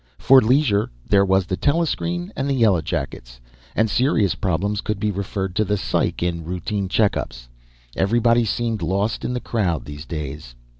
For leisure there was the telescreen and the yellowjackets, and serious problems could be referred to the psych in routine check ups. Everybody seemed lost in the crowd these days.